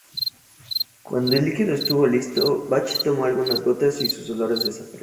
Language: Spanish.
Cuando el líquido estuvo listo, Bach tomó algunas gotas y sus dolores desaparecieron.